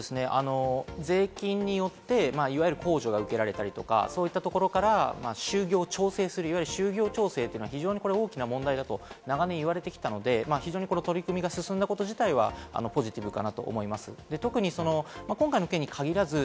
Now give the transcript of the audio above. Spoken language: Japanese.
税金によって、いわゆる控除が受けられたりとか、そういったところから就業を調整する就業調整は非常に大きな問題だと長年、言われてきたので、この取り組みが進んだこと自体はポジティブかなと思います。